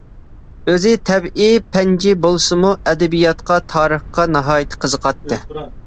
ئۆزى تەبىئىي پەنچى بولسىمۇ، ئەدەبىياتقا، تارىخقا ناھايىتى قىزىقاتتى.